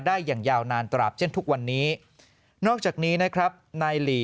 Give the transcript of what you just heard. อย่างยาวนานตราบเช่นทุกวันนี้นอกจากนี้นะครับนายหลี